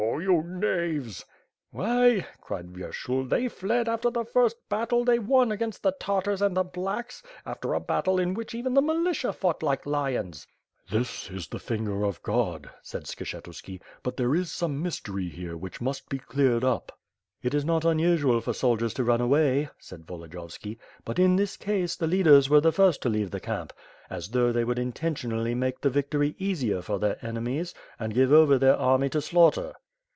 Oh you knaves!" "Why," cried Vyershul, "they fled after the first battle they won against the Tartars and the ^blacks'. After a battle in which even the militia fought like lions." "This is the finger of God," said Skshetuski, "but there is some mystery here which must be cleared up." "It is not unusual for soldiers to run away," said Volodiyo vski, *^ut in this case, the leaders were the first to leave the camp; as though they would intentionally make the victory easier for their enemies, and give over their army to slaughter."